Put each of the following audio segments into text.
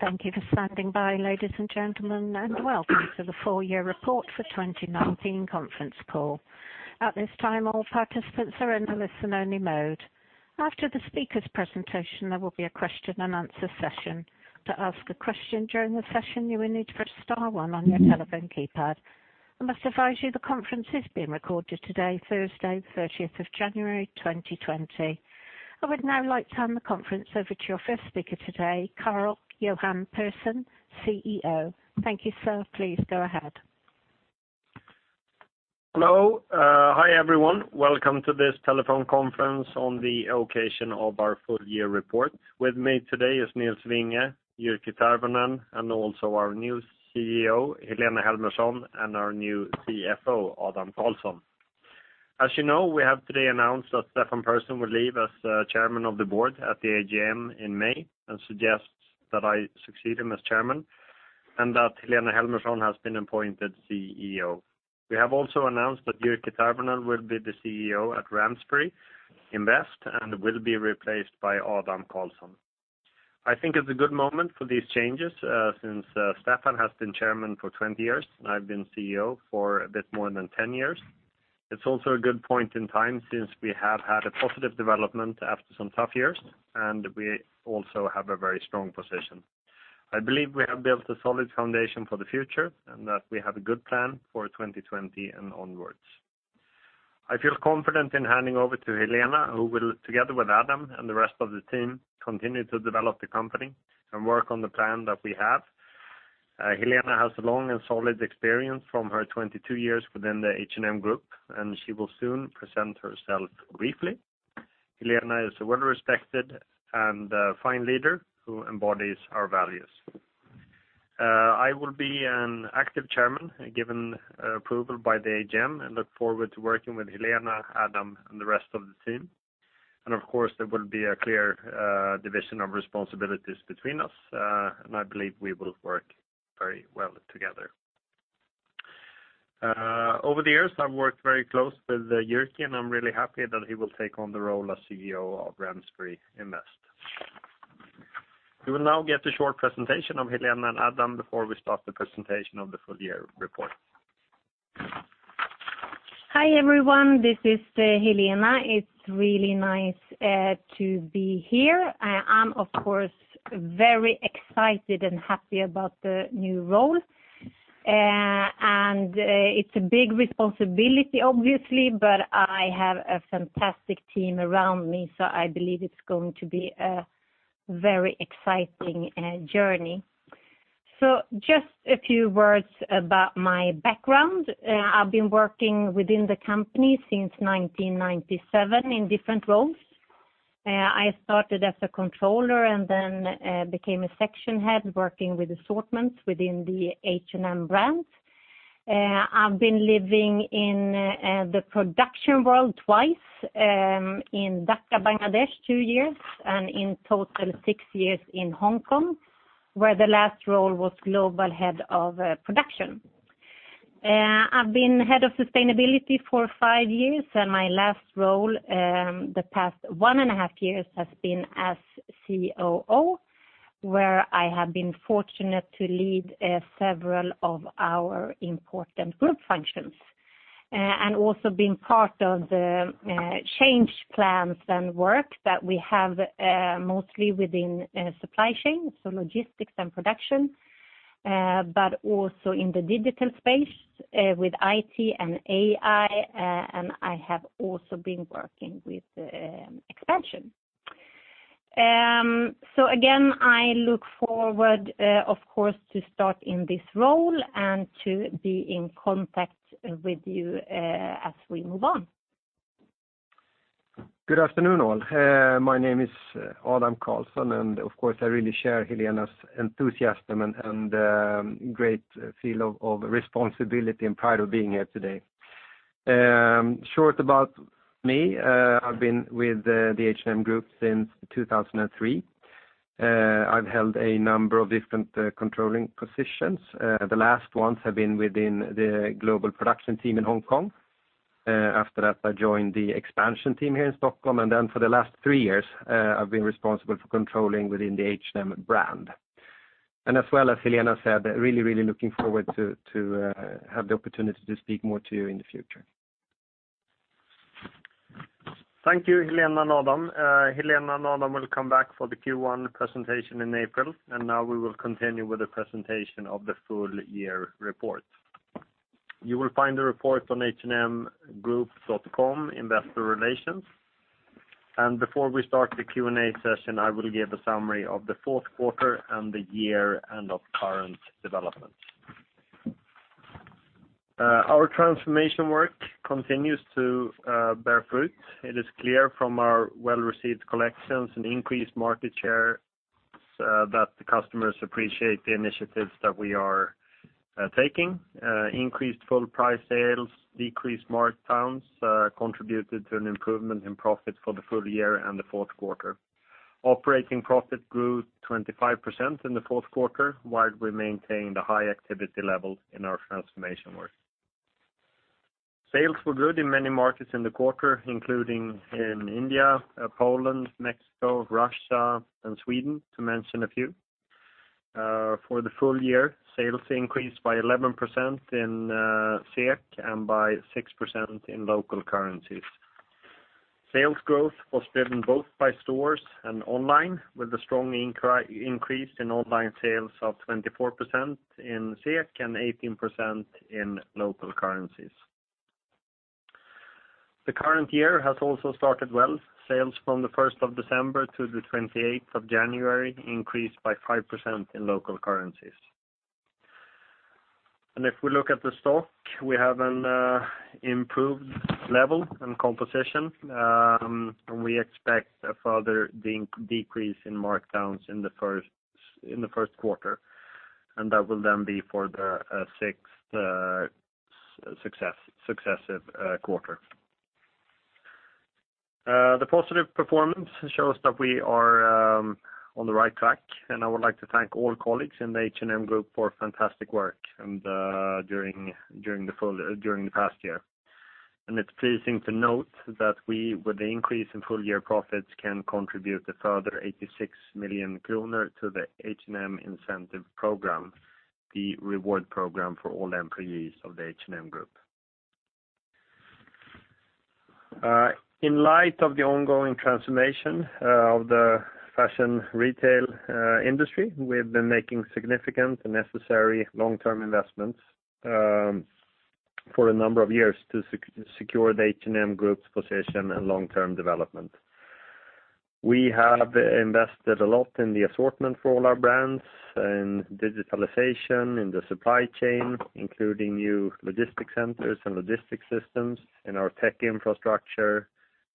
Thank you for standing by, ladies and gentlemen, and welcome to the Full Year Report for 2019 Conference Call. At this time, all participants are in a listen-only mode. After the speaker's presentation, there will be a question-and-answer session. To ask a question during the session, you will need to press star one on your telephone keypad. I must advise you the conference is being recorded today, Thursday, January 30th, 2020. I would now like to turn the conference over to your first speaker today, Karl-Johan Persson, CEO. Thank you, Sir. Please go ahead. Hello. Hi, everyone. Welcome to this telephone conference on the occasion of our full year report. With me today is Nils Vinge, Jyrki Tervonen, and also our new CEO, Helena Helmersson, and our new CFO, Adam Karlsson. As you know, we have today announced that Stefan Persson will leave as Chairman of the Board at the AGM in May and suggests that I succeed him as Chairman, and that Helena Helmersson has been appointed CEO. We have also announced that Jyrki Tervonen will be the CEO at Ramsbury Invest and will be replaced by Adam Karlsson. I think it's a good moment for these changes since Stefan has been Chairman for 20 years, and I've been CEO for a bit more than 10 years. It's also a good point in time since we have had a positive development after some tough years, and we also have a very strong position. I believe we have built a solid foundation for the future and that we have a good plan for 2020 and onwards. I feel confident in handing over to Helena, who will, together with Adam and the rest of the team, continue to develop the company and work on the plan that we have. Helena has a long and solid experience from her 22 years within the H&M Group. She will soon present herself briefly. Helena is a well-respected and fine leader who embodies our values. I will be an active chairman, given approval by the AGM. Look forward to working with Helena, Adam, and the rest of the team. Of course, there will be a clear division of responsibilities between us, and I believe we will work very well together. Over the years, I've worked very closely with Jyrki, and I'm really happy that he will take on the role as CEO of Ramsbury Invest. We will now get a short presentation of Helena and Adam before we start the presentation of the full year report. Hi, everyone. This is Helena. It's really nice to be here. I'm of course, very excited and happy about the new role. It's a big responsibility, obviously, but I have a fantastic team around me, so I believe it's going to be a very exciting journey. Just a few words about my background. I've been working within the company since 1997 in different roles. I started as a controller and then became a section head working with assortments within the H&M brand. I've been living in the production world twice, in Dhaka, Bangladesh, two years, and in total six years in Hong Kong, where the last role was global head of production. I've been head of sustainability for five years, and my last role, the past one and a half years has been as COO, where I have been fortunate to lead several of our important group functions. Also being part of the change plans and work that we have, mostly within supply chain, so logistics and production, but also in the digital space with IT and AI, I have also been working with expansion. Again, I look forward, of course, to start in this role and to be in contact with you as we move on. Good afternoon, all. My name is Adam Karlsson, and of course, I really share Helena's enthusiasm and great feel of responsibility and pride of being here today. Short about me, I've been with the H&M Group since 2003. I've held a number of different controlling positions. The last ones have been within the global production team in Hong Kong. After that, I joined the expansion team here in Stockholm, and then for the last three years, I've been responsible for controlling within the H&M brand. As well as Helena said, really looking forward to have the opportunity to speak more to you in the future. Thank you, Helena and Adam. Helena and Adam will come back for the Q1 presentation in April. Now we will continue with the presentation of the full year report. You will find the report on hmgroup.com, investor relations. Before we start the Q&A session, I will give a summary of the fourth quarter and the year and of current developments. Our transformation work continues to bear fruit. It is clear from our well-received collections and increased market share that the customers appreciate the initiatives that we are taking. Increased full price sales, decreased markdowns contributed to an improvement in profit for the full year and the fourth quarter. Operating profit grew 25% in the fourth quarter, while we maintain the high activity level in our transformation work. Sales were good in many markets in the quarter, including in India, Poland, Mexico, Russia, and Sweden, to mention a few. For the full year, sales increased by 11% in SEK and by 6% in local currencies. Sales growth was driven both by stores and online, with a strong increase in online sales of 24% in SEK and 18% in local currencies. The current year has also started well. Sales from December 1st to January 28th increased by 5% in local currencies. If we look at the stock, we have an improved level and composition. We expect a further decrease in markdowns in the first quarter, and that will then be for the sixth successive quarter. The positive performance shows that we are on the right track, and I would like to thank all colleagues in the H&M Group for fantastic work during the past year. It's pleasing to note that we, with the increase in full-year profits, can contribute a further 86 million kronor to the H&M incentive program, the reward program for all employees of the H&M Group. In light of the ongoing transformation of the fashion retail industry, we have been making significant and necessary long-term investments for a number of years to secure the H&M Group's position and long-term development. We have invested a lot in the assortment for all our brands, in digitalization, in the supply chain, including new logistic centers and logistic systems, in our tech infrastructure,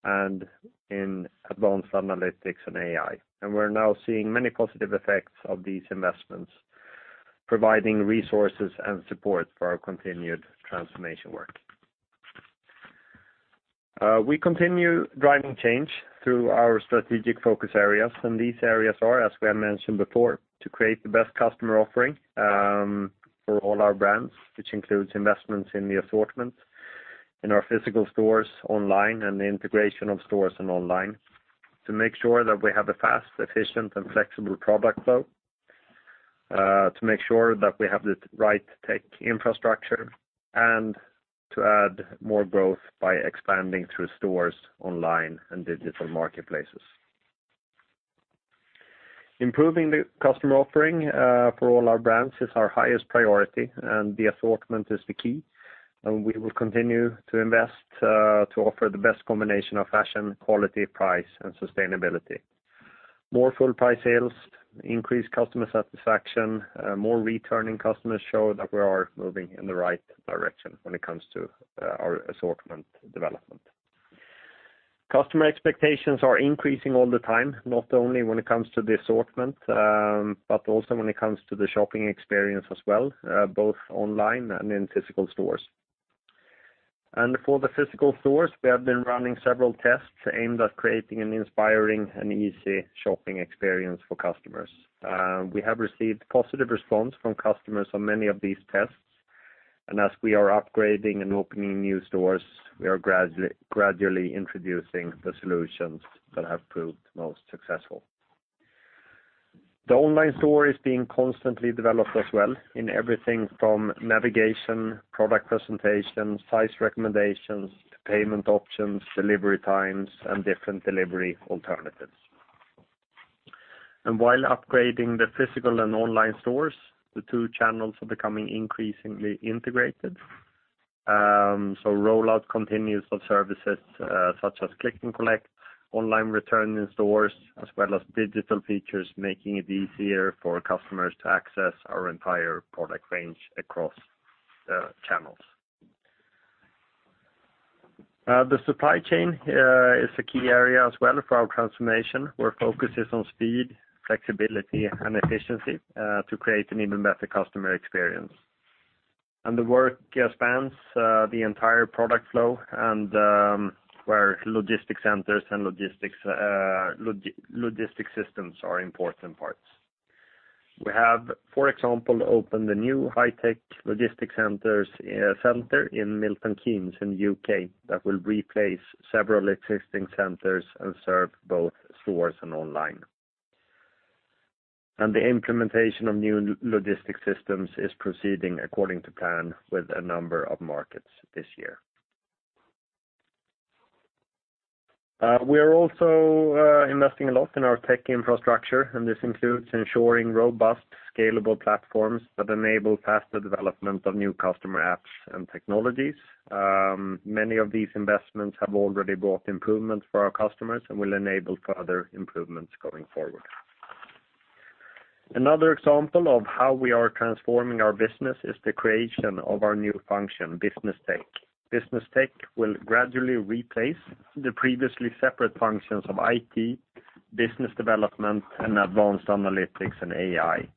and in advanced analytics and AI. We're now seeing many positive effects of these investments, providing resources and support for our continued transformation work. We continue driving change through our strategic focus areas. These areas are, as we have mentioned before, to create the best customer offering for all our brands, which includes investments in the assortment in our physical stores, online, and the integration of stores and online to make sure that we have a fast, efficient, and flexible product flow, to make sure that we have the right tech infrastructure, and to add more growth by expanding through stores, online, and digital marketplaces. Improving the customer offering for all our brands is our highest priority, and the assortment is the key, and we will continue to invest to offer the best combination of fashion, quality, price, and sustainability. More full price sales, increased customer satisfaction, more returning customers show that we are moving in the right direction when it comes to our assortment development. Customer expectations are increasing all the time, not only when it comes to the assortment, but also when it comes to the shopping experience as well, both online and in physical stores. For the physical stores, we have been running several tests aimed at creating an inspiring and easy shopping experience for customers. We have received positive response from customers on many of these tests, and as we are upgrading and opening new stores, we are gradually introducing the solutions that have proved most successful. The online store is being constantly developed as well in everything from navigation, product presentation, size recommendations to payment options, delivery times, and different delivery alternatives. While upgrading the physical and online stores, the two channels are becoming increasingly integrated. Rollout continues of services such as click and collect, online return in stores, as well as digital features making it easier for customers to access our entire product range across the channels. The supply chain is a key area as well for our transformation, where focus is on speed, flexibility, and efficiency to create an even better customer experience. The work spans the entire product flow and where logistic centers and logistic systems are important parts. We have, for example, opened a new high-tech logistic center in Milton Keynes in the U.K. that will replace several existing centers and serve both stores and online. The implementation of new logistic systems is proceeding according to plan with a number of markets this year. We are also investing a lot in our tech infrastructure, and this includes ensuring robust, scalable platforms that enable faster development of new customer apps and technologies. Many of these investments have already brought improvements for our customers and will enable further improvements going forward. Another example of how we are transforming our business is the creation of our new function, Business Tech. Business Tech will gradually replace the previously separate functions of IT, business development, and advanced analytics and AI.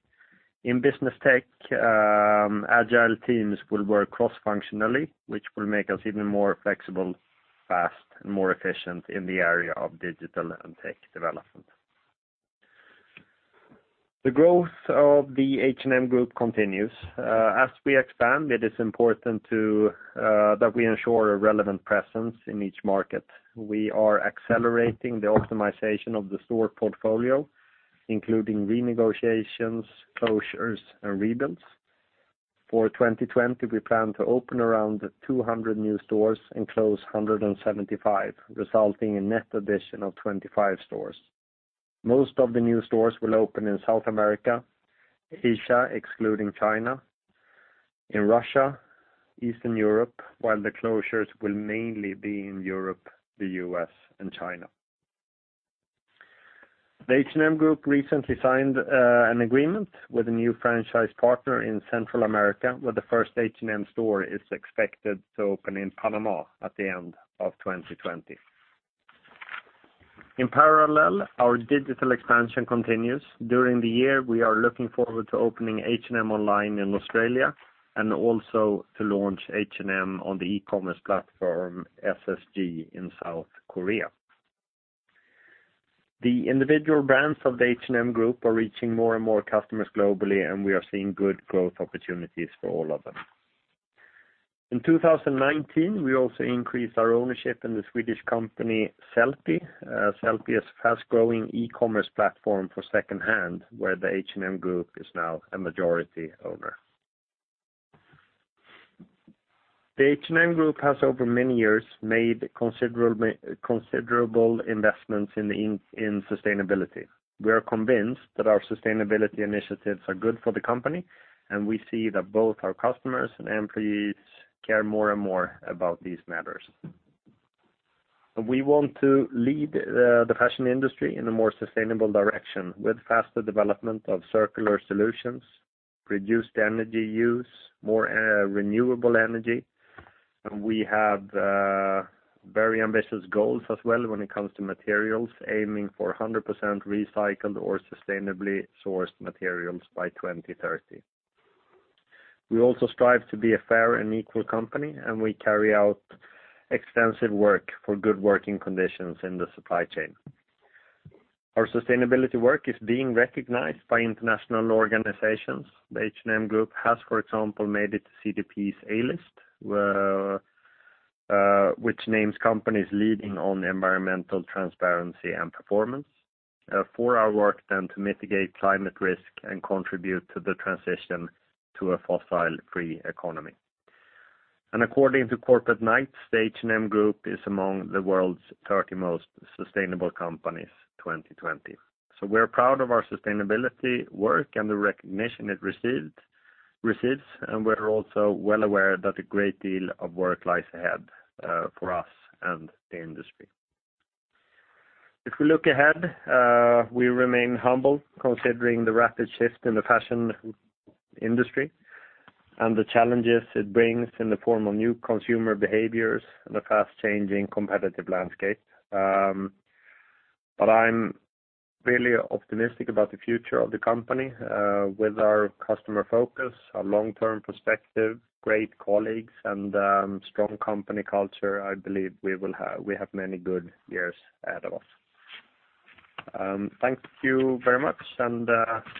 In Business Tech, agile teams will work cross-functionally, which will make us even more flexible, fast, and more efficient in the area of digital and tech development. The growth of the H&M Group continues. As we expand, it is important that we ensure a relevant presence in each market. We are accelerating the optimization of the store portfolio, including renegotiations, closures, and rebuilds. For 2020, we plan to open around 200 new stores and close 175, resulting in net addition of 25 stores. Most of the new stores will open in South America, Asia, excluding China, in Russia, Eastern Europe, while the closures will mainly be in Europe, the U.S., and China. The H&M Group recently signed an agreement with a new franchise partner in Central America, where the first H&M store is expected to open in Panama at the end of 2020. In parallel, our digital expansion continues. During the year, we are looking forward to opening H&M online in Australia, and also to launch H&M on the e-commerce platform SSG.com in South Korea. The individual brands of the H&M Group are reaching more and more customers globally, and we are seeing good growth opportunities for all of them. In 2019, we also increased our ownership in the Swedish company Sellpy. Sellpy is a fast-growing e-commerce platform for second-hand, where the H&M Group is now a majority owner. The H&M Group has, over many years, made considerable investments in sustainability. We are convinced that our sustainability initiatives are good for the company, and we see that both our customers and employees care more and more about these matters. We want to lead the fashion industry in a more sustainable direction with faster development of circular solutions, reduced energy use, more renewable energy. We have very ambitious goals as well when it comes to materials, aiming for 100% recycled or sustainably sourced materials by 2030. We also strive to be a fair and equal company, and we carry out extensive work for good working conditions in the supply chain. Our sustainability work is being recognized by international organizations. The H&M Group has, for example, made it to CDP's A list, which names companies leading on environmental transparency and performance for our work done to mitigate climate risk and contribute to the transition to a fossil-free economy. According to Corporate Knights, the H&M Group is among the world's 30 most sustainable companies 2020. We're proud of our sustainability work and the recognition it receives, and we're also well aware that a great deal of work lies ahead for us and the industry. If we look ahead, we remain humble considering the rapid shift in the fashion industry and the challenges it brings in the form of new consumer behaviors and a fast-changing competitive landscape. I'm really optimistic about the future of the company. With our customer focus, our long-term perspective, great colleagues, and strong company culture, I believe we have many good years ahead of us. Thank you very much, and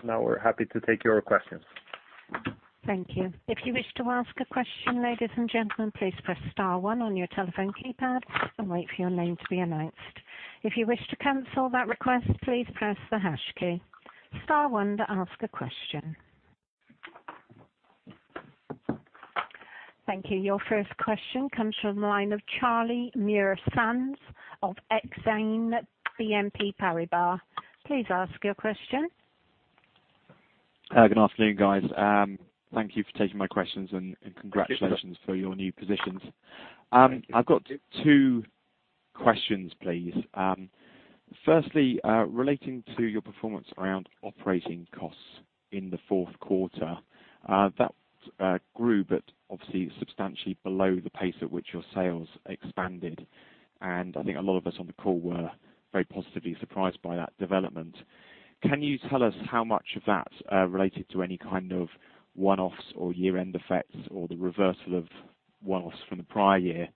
now we're happy to take your questions. Thank you. If you wish to ask a question, ladies and gentlemen, please press star one on your telephone keypad and wait for your name to be announced. If you wish to cancel that request, please press the hash key. Star one to ask a question. Thank you. Your first question comes from the line of Charlie Muir-Sands of Exane BNP Paribas. Please ask your question. Good afternoon, guys. Thank you for taking my questions and congratulations for your new positions. Thank you. I've got two questions, please. Firstly, relating to your performance around operating costs in the fourth quarter. That grew, but obviously substantially below the pace at which your sales expanded, and I think a lot of us on the call were very positively surprised by that development. Can you tell us how much of that related to any kind of one-offs or year-end effects or the reversal of one-offs from the prior year,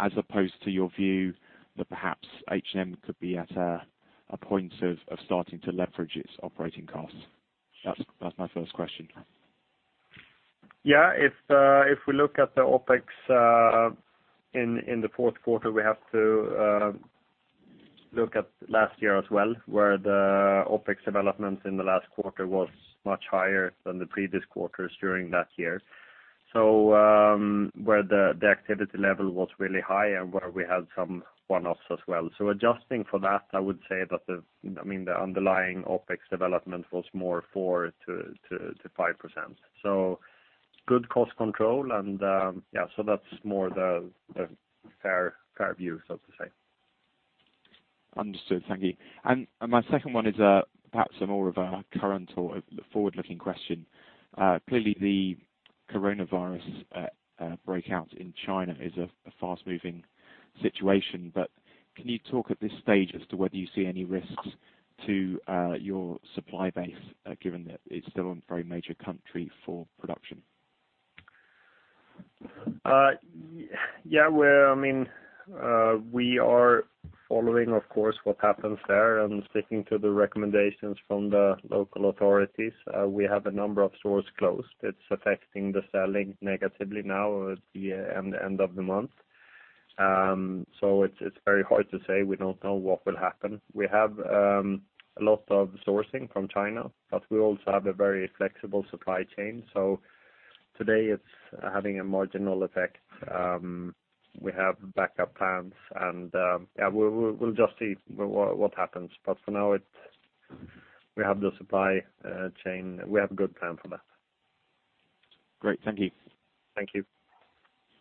as opposed to your view that perhaps H&M could be at a point of starting to leverage its operating costs? That's my first question. Yeah. If we look at the OpEx in the fourth quarter, we have to look at last year as well, where the OpEx development in the last quarter was much higher than the previous quarters during that year. Where the activity level was really high and where we had some one-offs as well. Adjusting for that, I would say that the underlying OpEx development was more 4%-5%. Good cost control, and that's more the fair view, so to say. Understood. Thank you. My second one is perhaps more of a current or forward-looking question. Clearly, the coronavirus breakout in China is a fast-moving situation. Can you talk at this stage as to whether you see any risks to your supply base, given that it's still a very major country for production? Yeah. We are following, of course, what happens there and sticking to the recommendations from the local authorities. We have a number of stores closed. It's affecting the selling negatively now at the end of the month. It's very hard to say. We don't know what will happen. We have a lot of sourcing from China, but we also have a very flexible supply chain. Today it's having a marginal effect. We have backup plans and we'll just see what happens. For now, we have the supply chain. We have a good plan for that. Great. Thank you. Thank you.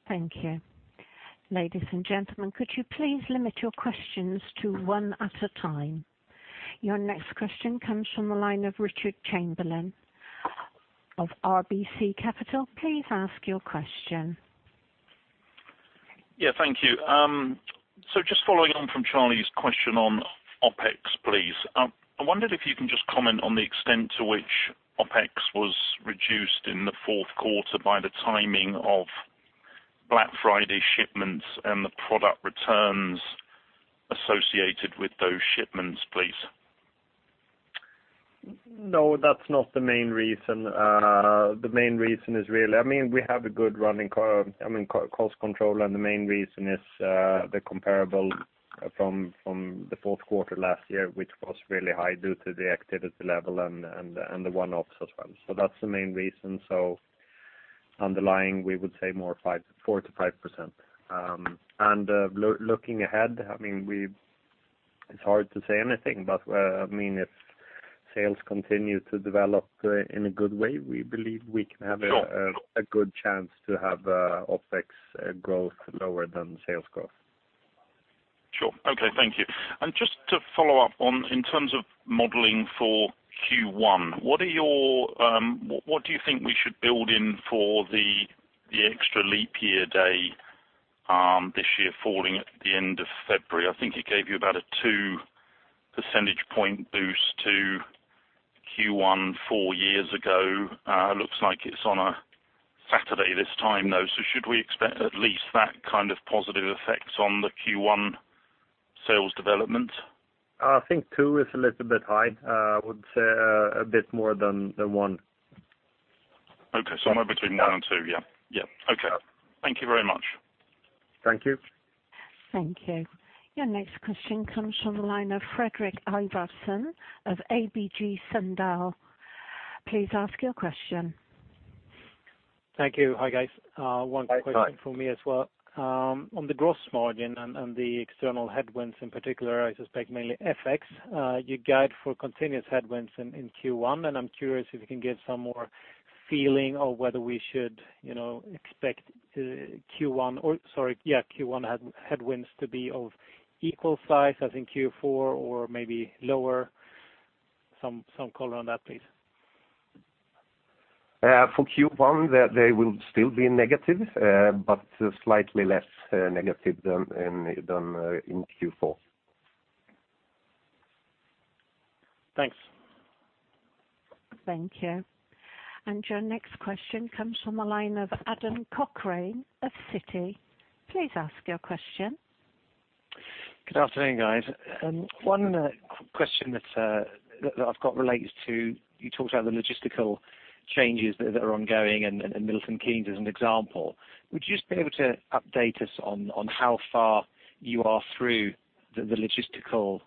Thank you. Ladies and gentlemen, could you please limit your questions to one at a time. Your next question comes from the line of Richard Chamberlain of RBC Capital. Please ask your question. Yeah, thank you. Just following on from Charlie's question on OpEx, please. I wondered if you can just comment on the extent to which OpEx was reduced in the fourth quarter by the timing of Black Friday shipments and the product returns associated with those shipments, please. No, that's not the main reason. The main reason is really, we have a good running cost control, and the main reason is the comparable from the fourth quarter last year, which was really high due to the activity level and the one-offs as well. That's the main reason. Underlying, we would say more 4%-5%. Looking ahead, it's hard to say anything, but if sales continue to develop in a good way, we believe we can have. Sure. A good chance to have OpEx growth lower than sales growth. Sure. Okay. Thank you. Just to follow up on, in terms of modeling for Q1, what do you think we should build in for the extra leap year day this year falling at the end of February? I think it gave you about a two percentage point boost to Q1 four years ago. Looks like it's on a Saturday this time, though. Should we expect at least that kind of positive effect on the Q1 sales development? I think two is a little bit high. I would say a bit more than one. Okay. Somewhere between one and two. Yeah. Okay. Thank you very much. Thank you. Thank you. Your next question comes from the line of Fredrik Ivarsson of ABG Sundal. Please ask your question. Thank you. Hi, guys. Hi. One question from me as well. On the gross margin and the external headwinds in particular, I suspect mainly FX, you guide for continuous headwinds in Q1, and I'm curious if you can give some more feeling of whether we should expect Q1 headwinds to be of equal size as in Q4 or maybe lower. Some color on that, please. For Q1, they will still be negative, but slightly less negative than in Q4. Thanks. Thank you. Your next question comes from the line of Adam Cochrane of Citi. Please ask your question. Good afternoon, guys. One question that I've got relates to, you talked about the logistical changes that are ongoing and Milton Keynes as an example. Would you just be able to update us on how far you are through the logistical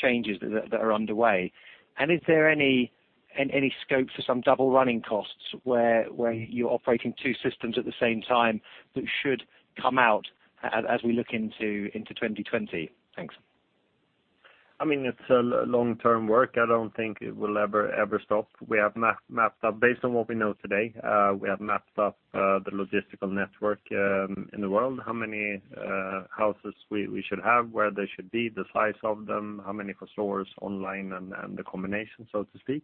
changes that are underway? Is there any scope for some double running costs where you're operating two systems at the same time that should come out as we look into 2020? Thanks. It's long-term work. I don't think it will ever stop. Based on what we know today, we have mapped up the logistical network in the world, how many houses we should have, where they should be, the size of them, how many for stores online, and the combination, so to speak.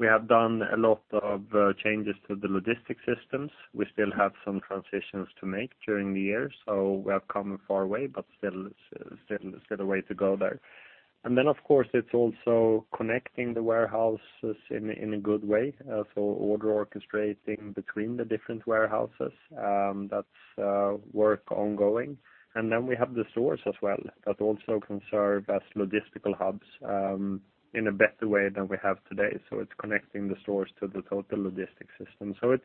We have done a lot of changes to the logistics systems. We still have some transitions to make during the year. We have come a far way, but still a way to go there. Then, of course, it's also connecting the warehouses in a good way. Order orchestrating between the different warehouses. That's work ongoing. Then we have the stores as well that also can serve as logistical hubs in a better way than we have today. It's connecting the stores to the total logistics system. We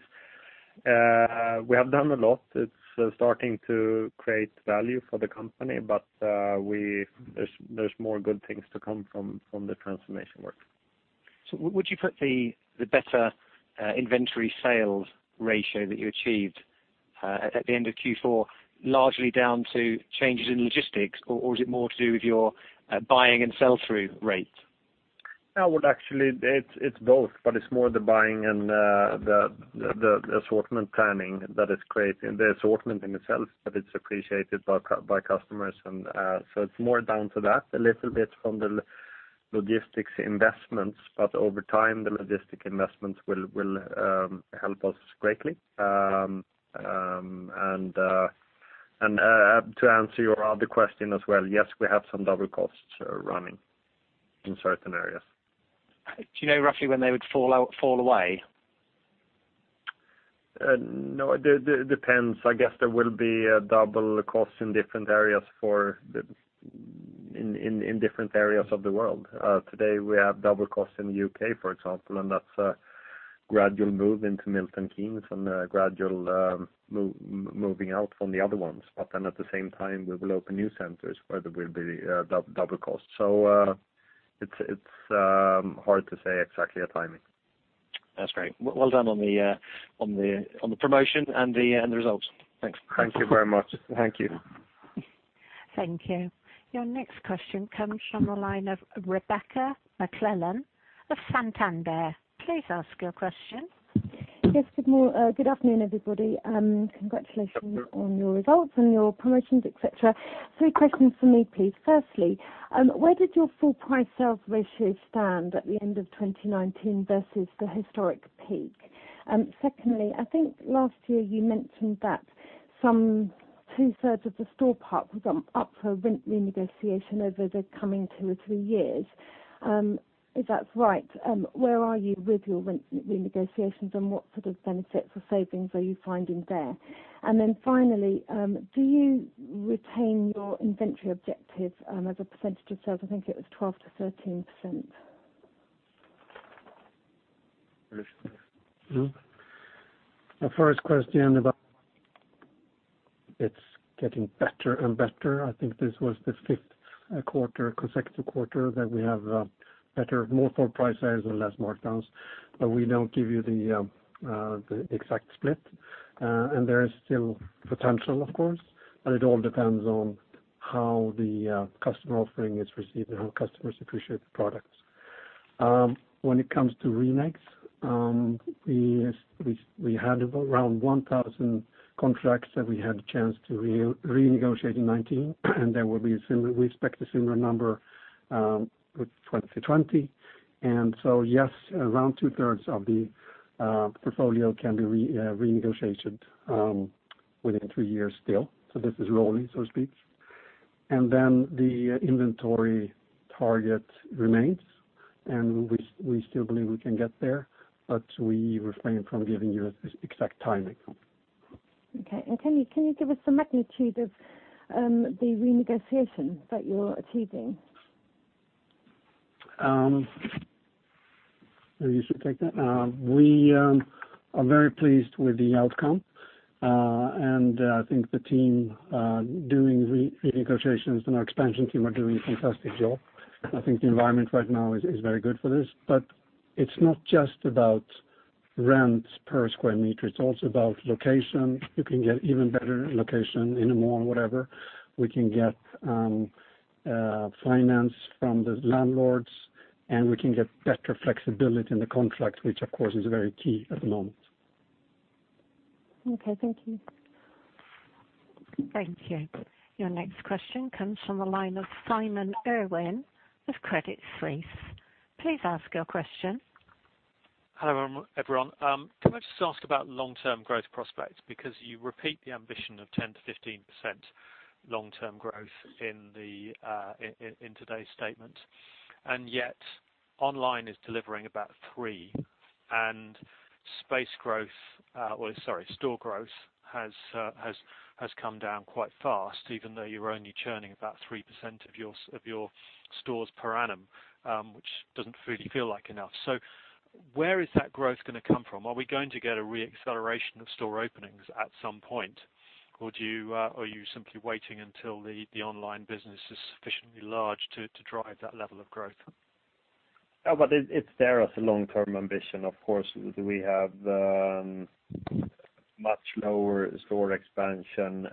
have done a lot. It's starting to create value for the company, but there's more good things to come from the transformation work. Would you put the better inventory sales ratio that you achieved at the end of Q4 largely down to changes in logistics, or is it more to do with your buying and sell-through rate? I would actually, it's both, but it's more the buying and the assortment planning that is creating the assortment in itself, that it's appreciated by customers. It's more down to that. A little bit from the logistics investments, but over time, the logistic investments will help us greatly. To answer your other question as well, yes, we have some double costs running in certain areas. Do you know roughly when they would fall away? No, it depends. I guess there will be a double cost in different areas of the world. Today, we have double costs in the U.K., for example. That's a gradual move into Milton Keynes and a gradual moving out from the other ones. At the same time, we will open new centers where there will be double costs. It's hard to say exactly a timing. That's great. Well done on the promotion and the end results. Thanks. Thank you very much. Thank you. Thank you. Your next question comes from the line of Rebecca McClellan of Santander. Please ask your question. Yes. Good afternoon, everybody. Congratulations on your results and your promotions, et cetera. Three questions from me, please. Firstly, where did your full price sales ratio stand at the end of 2019 versus the historic peak? Secondly, I think last year you mentioned that some 2/3 of the store park was up for rent renegotiation over the coming two or three years. If that's right, where are you with your rent renegotiations, and what sort of benefits or savings are you finding there? Finally, do you retain your inventory objective as a percentage of sales? I think it was 12%-13%. The first question about it's getting better and better. I think this was the fifth consecutive quarter that we have more full price sales and less markdowns. We don't give you the exact split. There is still potential, of course, but it all depends on how the customer offering is received and how customers appreciate the products. When it comes to remakes, we had around 1,000 contracts that we had the chance to renegotiate in 2019, and we expect a similar number with 2020. Yes, around 2/3 of the portfolio can be renegotiated within three years still. This is rolling, so to speak. The inventory target remains, and we still believe we can get there, but we refrain from giving you an exact timing. Okay. Can you give us a magnitude of the renegotiation that you're achieving? Maybe you should take that. We are very pleased with the outcome. I think the team doing renegotiations and our expansion team are doing a fantastic job. I think the environment right now is very good for this. It's not just about rent per square meter; it's also about location. You can get even better location in a mall, whatever. We can get finance from the landlords, and we can get better flexibility in the contract, which, of course, is very key at the moment. Okay. Thank you. Thank you. Your next question comes from the line of Simon Irwin of Credit Suisse. Please ask your question. Hello, everyone. Can I just ask about long-term growth prospects? You repeat the ambition of 10%-15% long-term growth in today's statement. Yet online is delivering about three and store growth has come down quite fast, even though you're only churning about 3% of your stores per annum, which doesn't really feel like enough. Where is that growth going to come from? Are we going to get a re-acceleration of store openings at some point? Are you simply waiting until the online business is sufficiently large to drive that level of growth? It's there as a long-term ambition, of course. We have much lower store expansion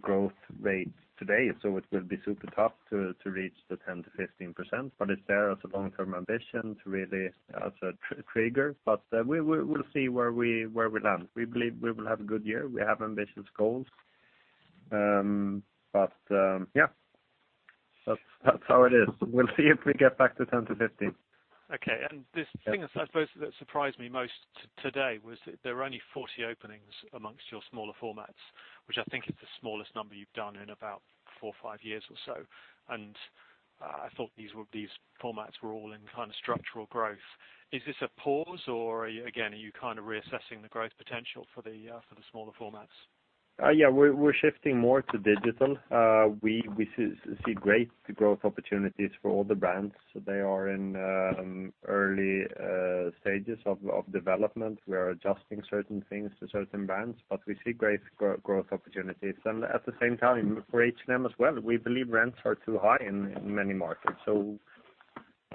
growth rates today, so it will be super tough to reach the 10%-15%, but it's there as a long-term ambition to really, as a trigger. We'll see where we land. We believe we will have a good year. We have ambitious goals. Yeah. That's how it is. We'll see if we get back to 10%-15%. Okay. This thing, I suppose, that surprised me most today was that there were only 40 openings amongst your smaller formats, which I think is the smallest number you've done in about four or five years or so. I thought these formats were all in structural growth. Is this a pause or, again, are you reassessing the growth potential for the smaller formats? Yeah. We're shifting more to digital. We see great growth opportunities for all the brands. They are in early stages of development. We are adjusting certain things to certain brands, but we see great growth opportunities. At the same time, for H&M as well, we believe rents are too high in many markets.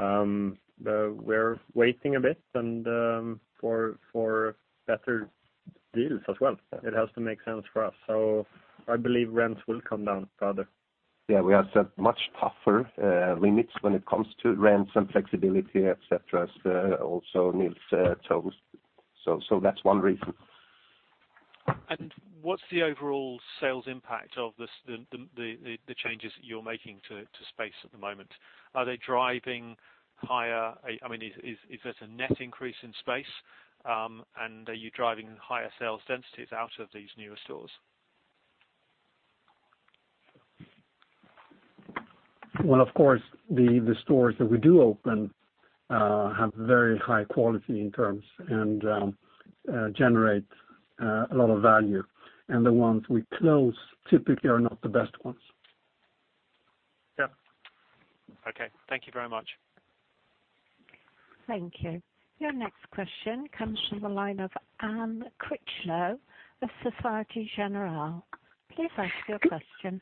We're waiting a bit and for better deals as well. It has to make sense for us. I believe rents will come down further. Yeah, we have set much tougher limits when it comes to rents and flexibility, et cetera, as also Nils told. That's one reason. What's the overall sales impact of the changes that you're making to space at the moment? Is it a net increase in space? Are you driving higher sales densities out of these newer stores? Well, of course, the stores that we do open have very high quality in terms, and generate a lot of value. The ones we close typically are not the best ones. Yeah. Okay. Thank you very much. Thank you. Your next question comes from the line of Anne Critchlow of Societe Generale. Please ask your question.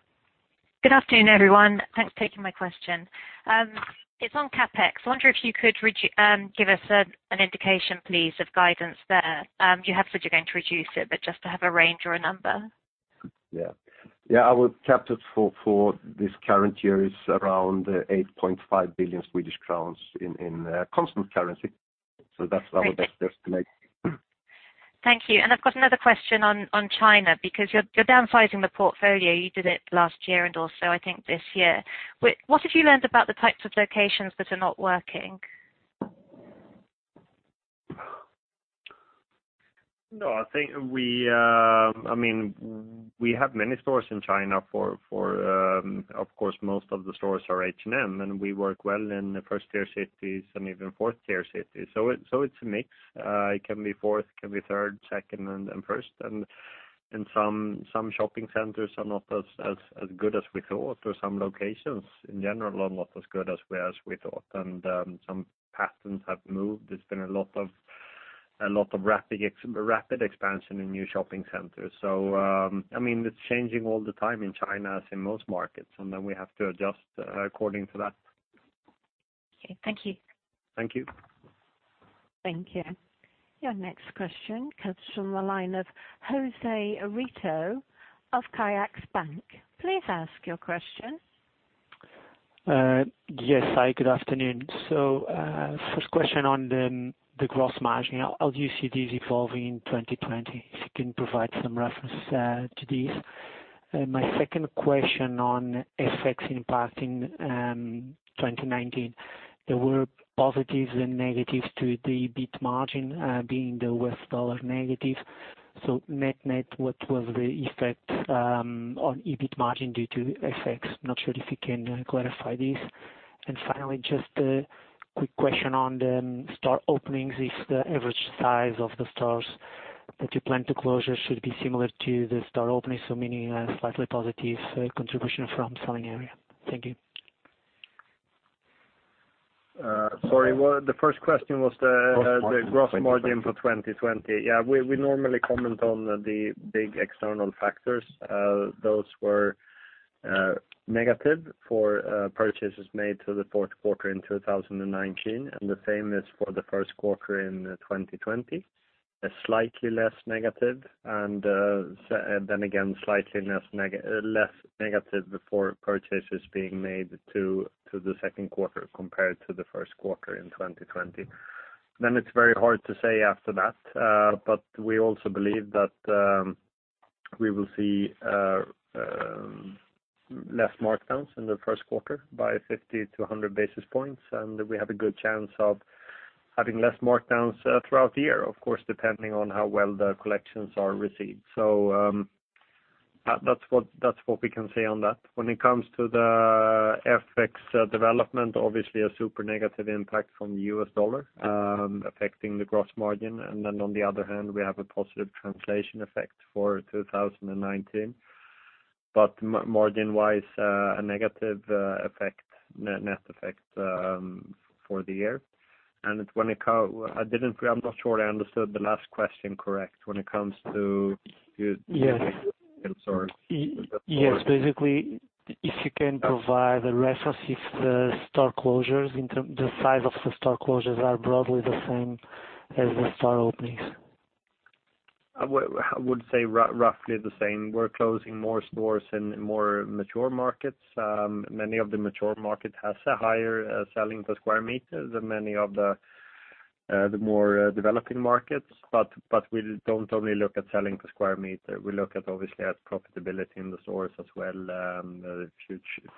Good afternoon, everyone. Thanks for taking my question. It's on CapEx. I wonder if you could give us an indication, please, of guidance there. You have said you're going to reduce it, but just to have a range or a number. Yeah. Our CapEx for this current year is around 8.5 billion Swedish crowns in constant currency. That's our best estimate. Thank you. I've got another question on China, because you're downsizing the portfolio. You did it last year and also, I think, this year. What have you learned about the types of locations that are not working? We have many stores in China. Of course, most of the stores are H&M. We work well in first-tier cities and even fourth-tier cities. It's a mix. It can be fourth, can be third, second, and first. Some shopping centers are not as good as we thought, or some locations in general are not as good as we thought. Some patterns have moved. There's been a lot of rapid expansion in new shopping centers. It's changing all the time in China, as in most markets. We have to adjust according to that. Okay. Thank you. Thank you. Thank you. Your next question comes from the line of José Rito of CaixaBank. Please ask your question. Yes. Hi, good afternoon. First question on the gross margin. How do you see this evolving in 2020? If you can provide some reference to this. My second question on FX impact in 2019. There were positives and negatives to the EBIT margin, being the US dollar negative. Net, what was the effect on EBIT margin due to FX? Not sure if you can clarify this. Finally, just a quick question on the store openings. If the average size of the stores that you plan to close should be similar to the store openings, meaning a slightly positive contribution from selling area. Thank you. Sorry, the first question was. Gross margin the gross margin for 2020. Yeah. We normally comment on the big external factors. Those were negative for purchases made to the fourth quarter in 2019, and the same is for the first quarter in 2020. Slightly less negative, then again, slightly less negative for purchases being made to the second quarter compared to the first quarter in 2020. It's very hard to say after that. We also believe that we will see less markdowns in the first quarter by 50-00 basis points, and we have a good chance of having less markdowns throughout the year, of course, depending on how well the collections are received. That's what we can say on that. When it comes to the FX development, obviously a super negative impact from the U.S. dollar affecting the gross margin, then on the other hand, we have a positive translation effect for 2019. Margin-wise, a negative net effect for the year. I'm not sure I understood the last question correct when it comes to. Yes I'm sorry. Basically, if you can provide a reference if the size of the store closures are broadly the same as the store openings. I would say roughly the same. We're closing more stores in more mature markets. Many of the mature market has a higher selling per square meter than many of the more developing markets. We don't only look at selling per square meter. We look obviously at profitability in the stores as well,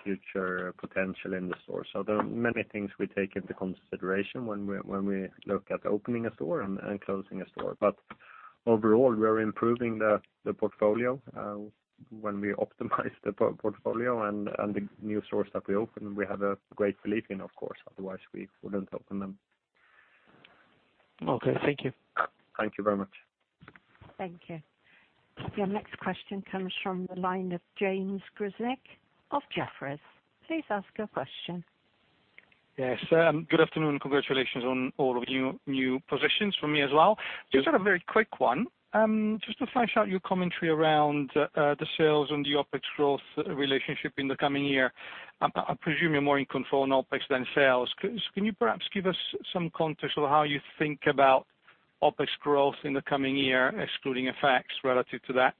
future potential in the store. There are many things we take into consideration when we look at opening a store and closing a store. Overall, we're improving the portfolio when we optimize the portfolio, and the new stores that we open, we have a great belief in, of course. Otherwise, we wouldn't open them. Okay. Thank you. Thank you very much. Thank you. Your next question comes from the line of James Grzinic of Jefferies. Please ask your question. Yes, good afternoon, and congratulations on all of your new positions from me as well. Just a very quick one. Just to flesh out your commentary around the sales and the OpEx growth relationship in the coming year. I presume you're more in control on OpEx than sales. Can you perhaps give us some context on how you think about OpEx growth in the coming year, excluding FX relative to that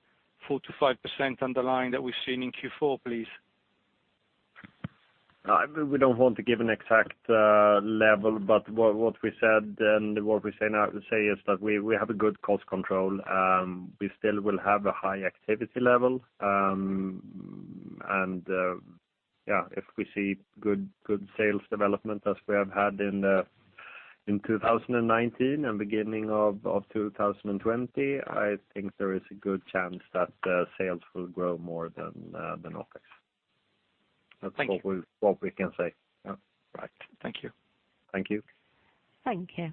4%-5% underlying that we've seen in Q4, please? We don't want to give an exact level, but what we said then, what we say now, we say is that we have a good cost control. We still will have a high activity level. If we see good sales development as we have had in 2019 and beginning of 2020, I think there is a good chance that sales will grow more than OpEx. Thank you. That's what we can say. Yeah. Right. Thank you. Thank you. Thank you.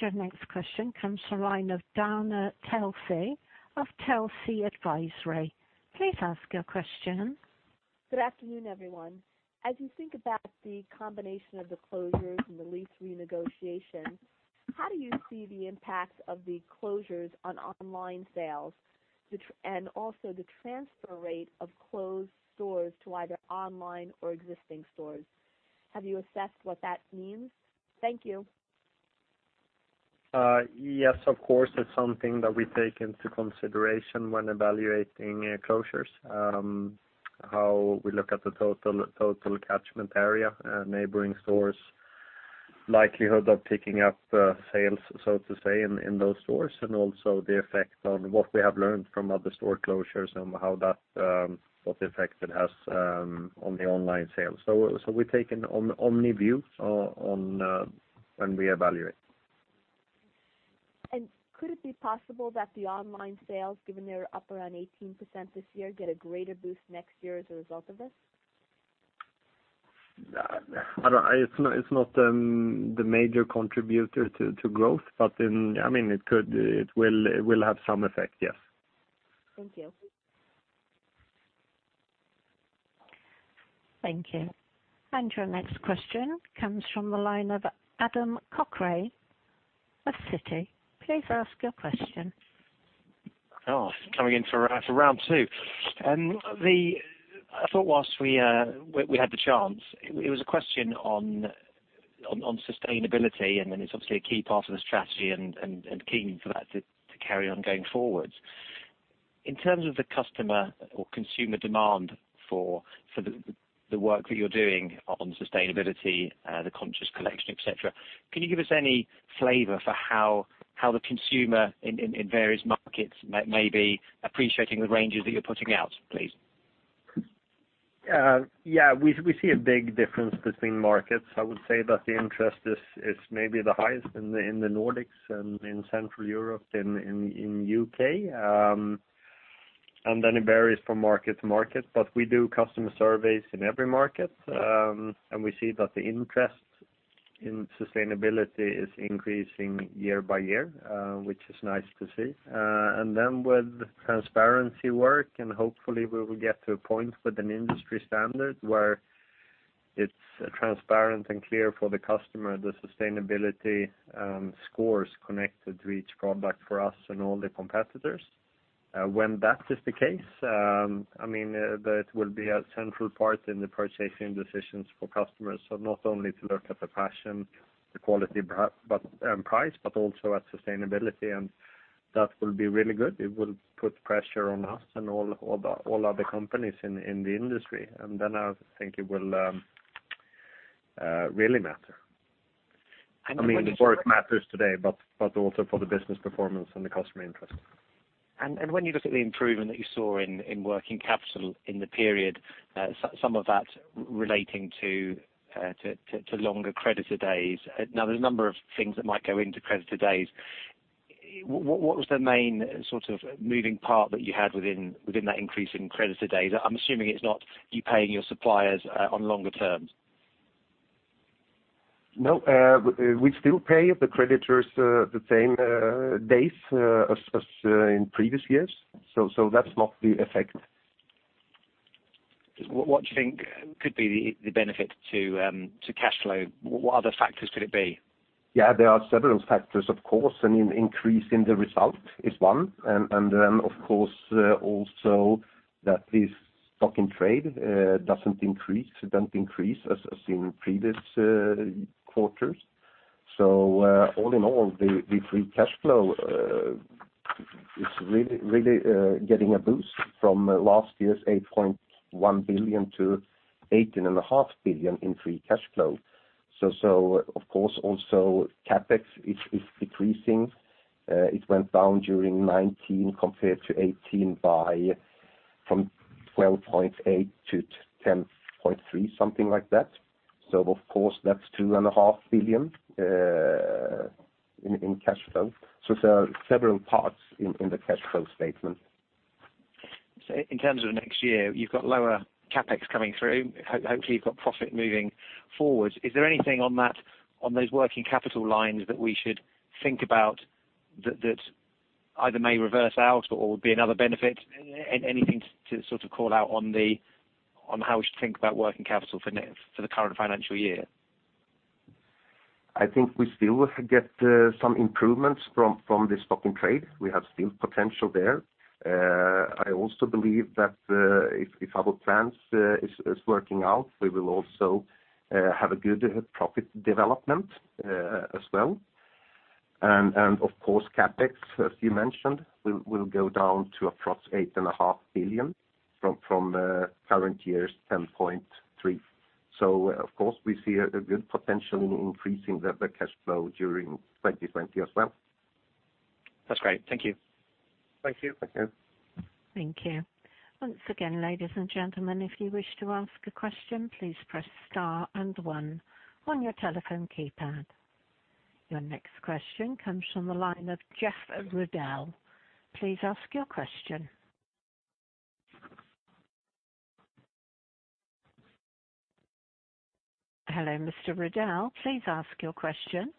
Your next question comes from the line of Dana Telsey of Telsey Advisory. Please ask your question. Good afternoon, everyone. As you think about the combination of the closures and the lease renegotiation, how do you see the impact of the closures on online sales, and also the transfer rate of closed stores to either online or existing stores? Have you assessed what that means? Thank you. Yes, of course. It's something that we take into consideration when evaluating closures. How we look at the total catchment area, neighboring stores, likelihood of picking up sales, so to say, in those stores, and also the effect on what we have learned from other store closures and what effect it has on the online sales. We take an omni view when we evaluate. Could it be possible that the online sales, given they are up around 18% this year, get a greater boost next year as a result of this? It's not the major contributor to growth, but it will have some effect, yes. Thank you. Thank you. Your next question comes from the line of Adam Cochrane of Citi. Please ask your question. Coming in for round two. I thought while we had the chance, it was a question on sustainability, and then it's obviously a key part of the strategy and keen for that to carry on going forwards. In terms of the customer or consumer demand for the work that you're doing on sustainability, the Conscious Collection, et cetera, can you give us any flavor for how the consumer in various markets may be appreciating the ranges that you're putting out, please? Yeah, we see a big difference between markets. I would say that the interest is maybe the highest in the Nordics and in Central Europe, in U.K., then it varies from market to market. We do customer surveys in every market, and we see that the interest in sustainability is increasing year by year, which is nice to see. Then with transparency work, and hopefully we will get to a point with an industry standard where it's transparent and clear for the customer, the sustainability scores connected to each product for us and all the competitors. When that is the case, that will be a central part in the purchasing decisions for customers. Not only to look at the fashion, the quality, and price, but also at sustainability, and that will be really good. It will put pressure on us and all other companies in the industry, and then I think it will really matter. The work matters today, but also for the business performance and the customer interest. When you look at the improvement that you saw in working capital in the period, some of that relating to longer creditor days. There's a number of things that might go into creditor days. What was the main sort of moving part that you had within that increase in creditor days? I'm assuming it's not you paying your suppliers on longer terms. No. We still pay the creditors the same days as in previous years. That's not the effect. What do you think could be the benefit to cash flow? What other factors could it be? Yeah, there are several factors, of course. Increase in the result is one. Then of course, also that the stock in trade doesn't increase as in previous quarters. All in all, the free cash flow is really getting a boost from last year's 8.1 billion-18.5 billion in free cash flow. Of course, also CapEx is decreasing. It went down during 2019 compared to 2018 from 12.8 billion to 10.3 billion, something like that. Of course, that's 2.5 billion in cash flow. There are several parts in the cash flow statement. In terms of next year, you've got lower CapEx coming through. Hopefully, you've got profit moving forward. Is there anything on those working capital lines that we should think about that either may reverse out or be another benefit? Anything to sort of call out on how we should think about working capital for the current financial year? I think we still get some improvements from the stock in trade. We have still potential there. I also believe that if our plans is working out, we will also have a good profit development as well. Of course, CapEx, as you mentioned, will go down to across 8.5 billion from current year's 10.3 billion. Of course, we see a good potential in increasing the cash flow during 2020 as well. That's great. Thank you. Thank you. Thank you. Once again, ladies and gentlemen, if you wish to ask a question, please press Star and One on your telephone keypad. Your next question comes from the line of [Jeff Riddell]. Please ask your question. Hello, [Mr. Riddell]. Please ask your question.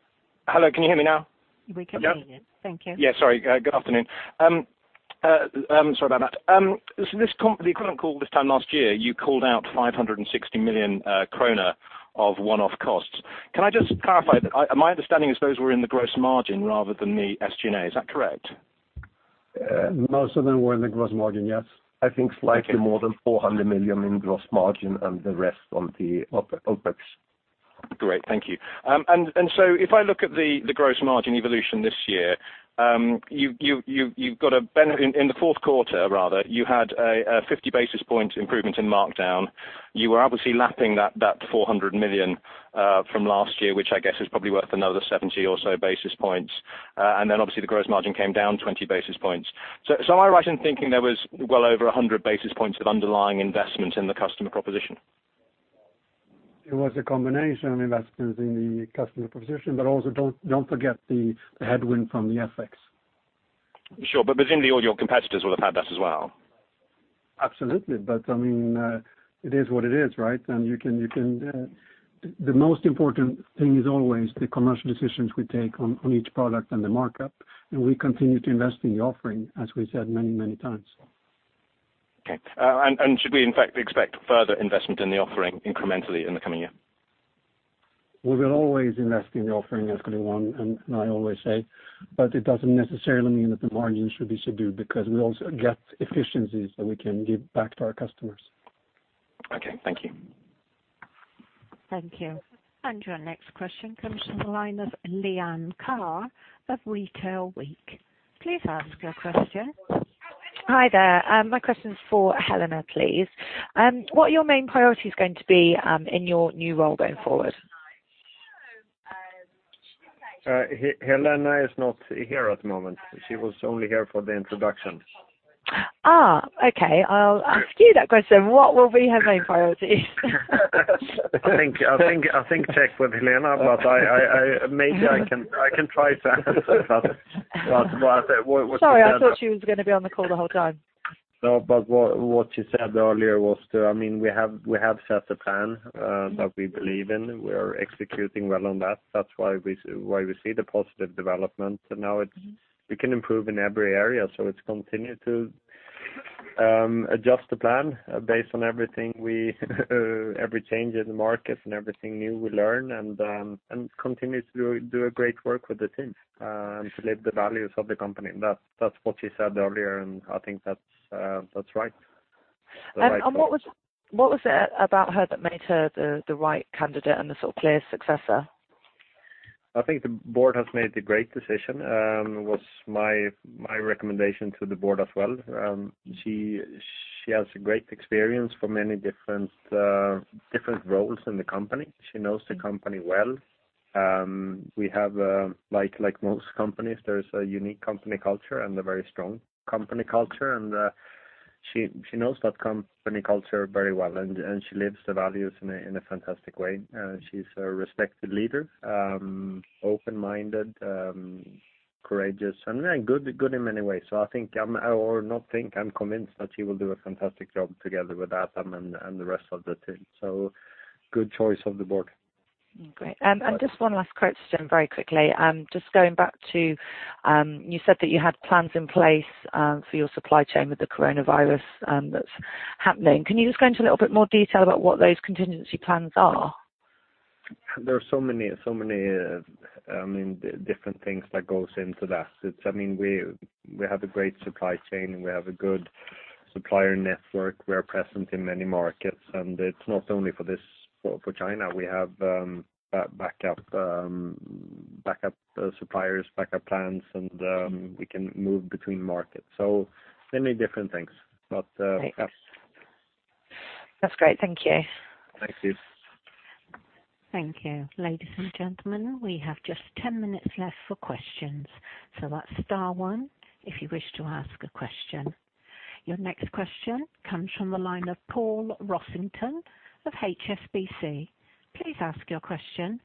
Hello, can you hear me now? We can hear you. Yep. Thank you. Yeah, sorry. Good afternoon. Sorry about that. The equivalent call this time last year, you called out 560 million kronor of one-off costs. Can I just clarify? My understanding is those were in the gross margin rather than the SG&A. Is that correct? Most of them were in the gross margin, yes. I think slightly more than 400 million in gross margin and the rest on the OpEx. Great. Thank you. If I look at the gross margin evolution this year, in the fourth quarter, you had a 50 basis point improvement in markdown. You were obviously lapping that 400 million from last year, which I guess is probably worth another 70 or so basis points. Obviously the gross margin came down 20 basis points. Am I right in thinking there was well over 100 basis points of underlying investment in the customer proposition? It was a combination of investments in the customer proposition, but also don't forget the headwind from the FX. Sure. Within the audio, competitors will have had that as well. Absolutely. It is what it is, right? The most important thing is always the commercial decisions we take on each product and the markup, and we continue to invest in the offering, as we said many times. Okay. Should we in fact expect further investment in the offering incrementally in the coming year? We will always invest in the offering, as anyone and I always say. It doesn't necessarily mean that the margins should be subdued because we also get efficiencies that we can give back to our customers. Okay. Thank you. Thank you. Your next question comes from the line of Leanne Carr of Retail Week. Please ask your question. Hi there. My question is for Helena, please. What are your main priorities going to be in your new role going forward? Helena is not here at the moment. She was only here for the introduction. Okay. I'll ask you that question. What will be her main priority? I think check with Helena, but maybe I can try to answer that. Sorry, I thought she was going to be on the call the whole time. What she said earlier was we have set a plan that we believe in. We're executing well on that. That's why we see the positive development. Now we can improve in every area. It's continue to adjust the plan based on every change in the market and everything new we learn and continue to do a great work with the team and to live the values of the company. That's what she said earlier, and I think that's right. What was it about her that made her the right candidate and the clear successor? I think the board has made a great decision. It was my recommendation to the board as well. She has great experience for many different roles in the company. She knows the company well. Like most companies, there is a unique company culture and a very strong company culture, and she knows that company culture very well, and she lives the values in a fantastic way. She's a respected leader, open-minded, courageous, and good in many ways. I think, or not think, I'm convinced that she will do a fantastic job together with Adam and the rest of the team. Good choice of the board. Great. Just one last question very quickly. Just going back to, you said that you had plans in place for your supply chain with the coronavirus that's happening. Can you just go into a little bit more detail about what those contingency plans are? There are so many different things that goes into that. We have a great supply chain, and we have a good supplier network. We're present in many markets, and it's not only for China. We have backup suppliers, backup plans, and we can move between markets. Many different things. Yes. That's great. Thank you. Thank you. Thank you. Ladies and gentlemen, we have just 10 minutes left for questions, so that's Star One if you wish to ask a question. Your next question comes from the line of Paul Rossington of HSBC. Please ask your question.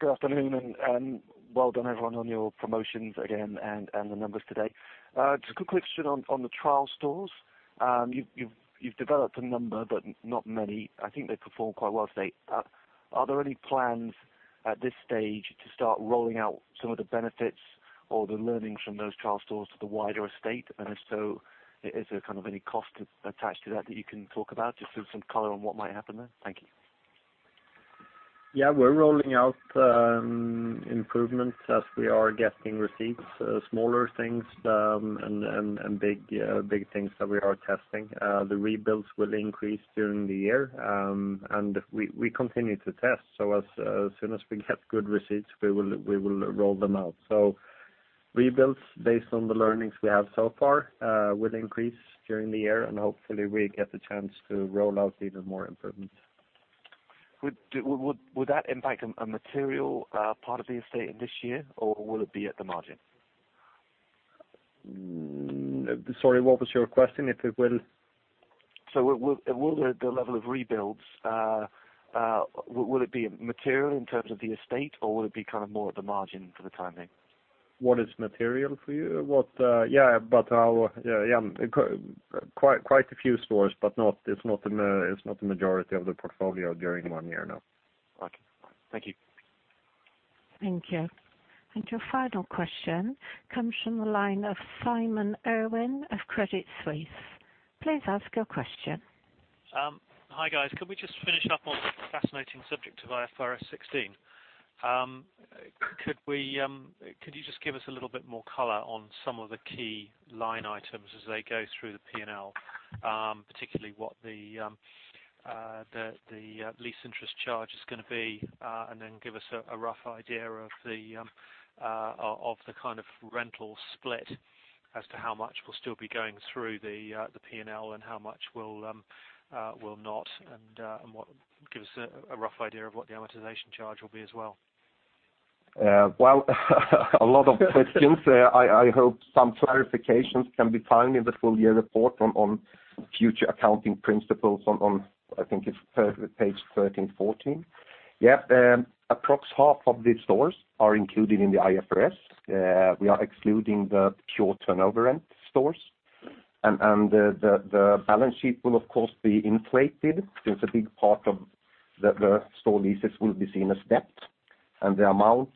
Good afternoon. Well done, everyone, on your promotions again and the numbers today. Just a quick question on the trial stores. You've developed a number, but not many. I think they performed quite well today. Are there any plans at this stage to start rolling out some of the benefits or the learnings from those trial stores to the wider estate? If so, is there any cost attached to that that you can talk about? Just give some color on what might happen there. Thank you. Yeah, we're rolling out improvements as we are getting results, smaller things and big things that we are testing. The rebuilds will increase during the year. We continue to test, so as soon as we get good results, we will roll them out. Rebuilds based on the learnings we have so far will increase during the year and hopefully we get the chance to roll out even more improvements. Would that impact a material part of the estate in this year, or will it be at the margin? Sorry, what was your question? If it will. Will the level of rebuilds, would it be material in terms of the estate, or would it be more at the margin for the time being? What is material for you? Yeah, quite a few stores, but it's not the majority of the portfolio during one year, no. Okay. Thank you. Thank you. Your final question comes from the line of Simon Irwin of Credit Suisse. Please ask your question. Hi, guys. Could we just finish up on the fascinating subject of IFRS 16? Could you just give us a little bit more color on some of the key line items as they go through the P&L, particularly what the lease interest charge is going to be, and then give us a rough idea of the kind of rental split as to how much will still be going through the P&L and how much will not, and give us a rough idea of what the amortization charge will be as well? Well, a lot of questions there. I hope some clarifications can be found in the full year report on future accounting principles on, I think it's page 13, 14. Yeah. Approx 1/2 of the stores are included in the IFRS. We are excluding the pure turnover end stores. The balance sheet will, of course, be inflated since a big part of the store leases will be seen as debt, and the amount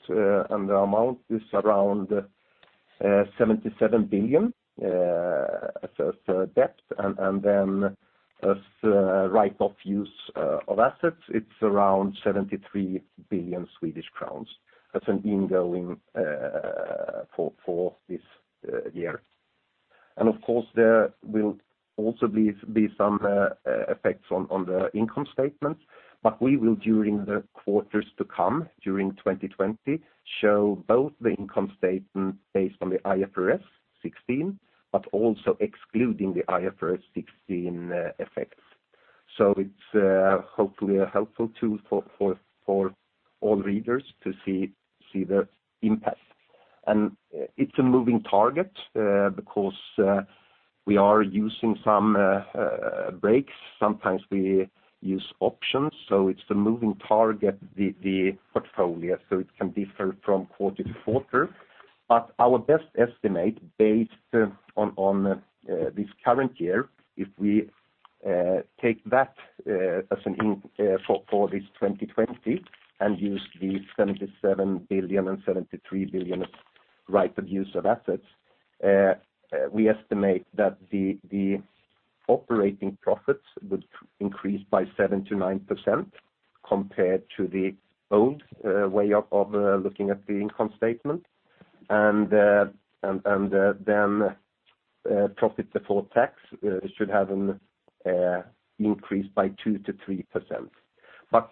is around 77 billion as a debt, and then as right-of-use assets, it's around 73 billion Swedish crowns as an ingoing for this year. Of course, there will also be some effects on the income statement. We will, during the quarters to come, during 2020, show both the income statement based on the IFRS 16, but also excluding the IFRS 16 effects. It's hopefully a helpful tool for all readers to see the impact. It's a moving target because we are using some breaks, sometimes we use options, so it's a moving target, the portfolio. It can differ from quarter to quarter. Our best estimate based on this current year, if we take that for this 2020 and use the 77 billion and 73 billion right-of-use assets, we estimate that the operating profits would increase by 7%-9% compared to the old way of looking at the income statement. Profit before tax should have an increase by 2%-3%.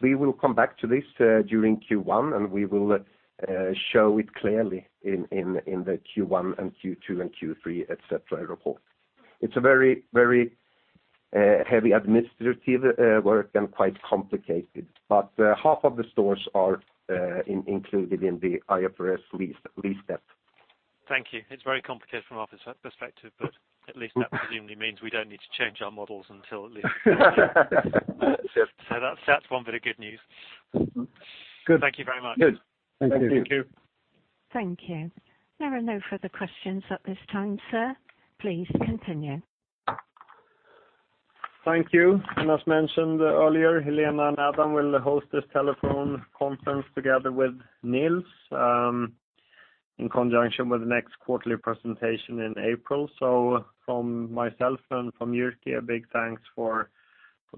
We will come back to this during Q1, and we will show it clearly in the Q1 and Q2 and Q3, et cetera, report. It's a very heavy administrative work and quite complicated, but 1/2 of the stores are included in the IFRS lease debt. Thank you. It's very complicated from our perspective, but at least that presumably means we don't need to change our models. That's one bit of good news. Good. Thank you very much. Good. Thank you. Thank you. There are no further questions at this time, sir. Please continue. Thank you. As mentioned earlier, Helena and Adam will host this telephone conference together with Nils in conjunction with the next quarterly presentation in April. From myself and from Jyrki, a big thanks for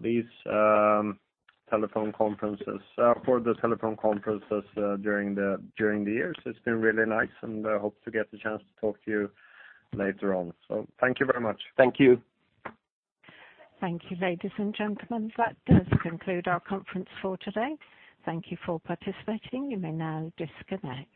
these telephone conferences, for the telephone conferences during the years. It's been really nice, and I hope to get the chance to talk to you later on. Thank you very much. Thank you. Thank you, ladies and gentlemen. That does conclude our conference for today. Thank you for participating. You may now disconnect.